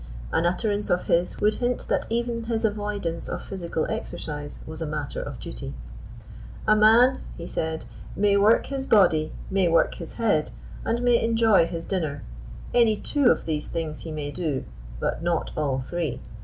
An utterance of his would hint that even his avoidance of physical exercise was a matter of duty. "A man," he said, "may work his body, may work his head, and may enjoy his dinner. Any two of these things he may do, but not all three.